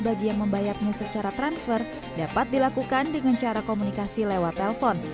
bagi yang membayar muzik secara transfer dapat dilakukan dengan cara komunikasi lewat telpon